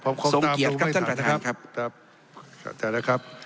ครับทรงเกียรติครับท่านประธานครับครับครับใช่แล้วครับ